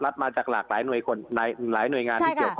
มาจากหลากหลายหน่วยงานที่เกี่ยวข้อง